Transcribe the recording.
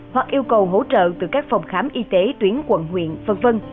hoặc yêu cầu hỗ trợ từ các phòng khám y tế tuyến quận huyện v v